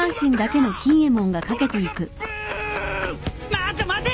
待て待て！